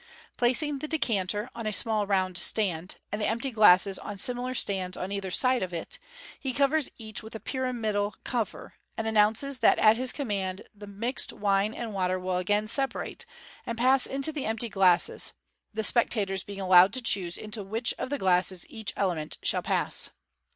Placing the decanter on a small round stand, and the empty glasses on similar stands on either side of it, he covers each with a pyramidal cover, and announces that at his command the mixed wine and water will again separate, and pass into the empty glasses; the spectators being allowed to choose into which of the glasses each element shall pass.